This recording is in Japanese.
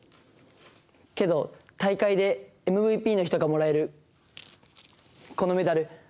けど大会でＭＶＰの人がもらえるこのメダル。